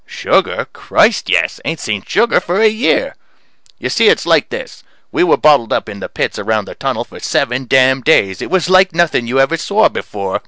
Sugar? Christ, yes! Ain't seen sugar for a year. You see, it's like this: we were bottled up in the pits around the Tunnel for seven damn days. It was like nothing you ever saw before.